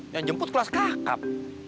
yang jemput kelas kakap